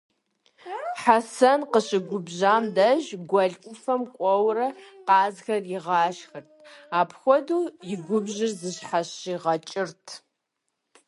Хьэсэн къыщыгубжьам деж, гуэл ӏуфэм кӏуэурэ къазхэр игъашхэрт, апхуэдэу и губжьыр зыщхьэщигъэкӏырт.